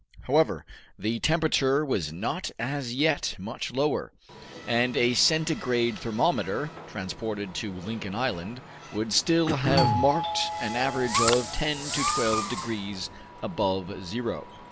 However, the temperature was not as yet much lower, and a centigrade thermometer, transported to Lincoln Island, would still have marked an average of ten to twelve degrees above zero.